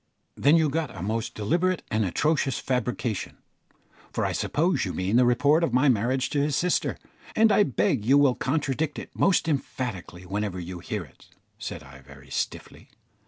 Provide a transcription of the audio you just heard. "Then you got a most deliberate and atrocious fabrication, for I suppose you mean the report of my marriage to his sister, and I beg you will contradict it most emphatically whenever you hear it," said I, very stiffly.